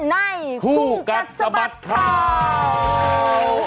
คู่กัดสะบัดข่าว